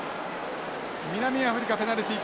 南アフリカペナルティー。